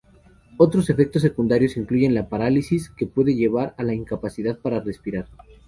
Otros efectos secundarios incluyen la parálisis, que puede llevar a la incapacidad para respirar.